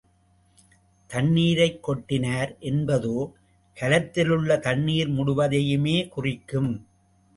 தண்ணீரைக் கொட்டினார் என்பதோ, கலத்திலுள்ள தண்ணீர் முழுவதையுமே குறிக்கும்.